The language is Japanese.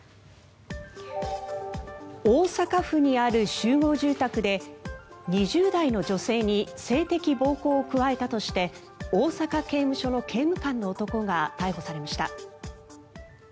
大阪府にある集合住宅で２０代の女性に性的暴行を加えたとして大阪刑務所の刑務官の男が逮捕されました。